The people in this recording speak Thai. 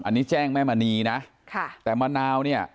อันนี้แจ้งแม่มณีนะค่ะแต่มะนาวเนี่ย